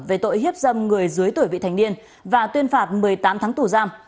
về tội hiếp dâm người dưới tuổi vị thành niên và tuyên phạt một mươi tám tháng tù giam